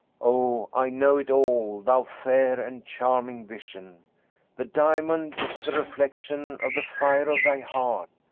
Oh, I know it all, thou fair and charming vision. The diamond is the reflection of the fire of thy heart.